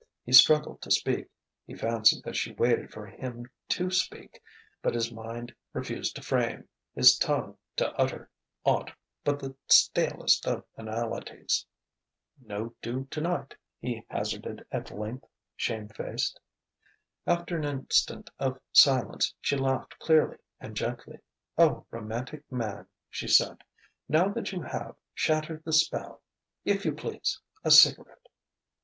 He struggled to speak; he fancied that she waited for him to speak; but his mind refused to frame, his tongue to utter, aught but the stalest of banalities. "No dew tonight," he hazarded at length, shame faced. After an instant of silence she laughed clearly and gently. "O romantic man!" she said. "Now that you have, shattered the spell if you please, a cigarette."